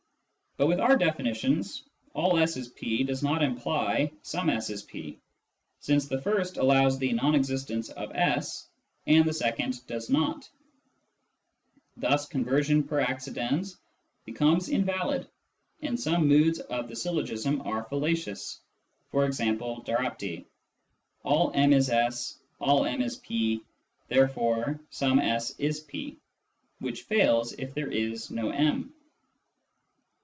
But, with our definitions, " all S is P " does not imply " some S is P," since the first allows the non existence of S and the second does not ; thus conversation per accidens becomes invalid, and some moods of the syllogism are fallacious, e.g. Darapti :" All M is S, all M is P, therefore some S is P," which fails if there is no M.